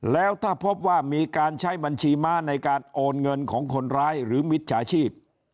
แล้วถ้าพบว่ามีการใช้บัญชีม้าในการโอนเงินของคนร้ายหรือมิจฉาชีพ